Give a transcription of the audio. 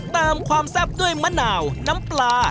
เติมความแซ่บด้วยมะนาวน้ำปลา